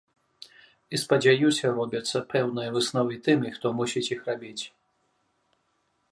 І, спадзяюся, робяцца пэўныя высновы тымі, хто мусіць іх рабіць.